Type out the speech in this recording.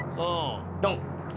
ドン！